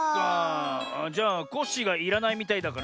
じゃあコッシーがいらないみたいだから。